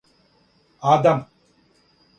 Адам